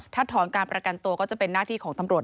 ถ้าถอนการประกันตัวก็จะเป็นหน้าที่ของตำรวจ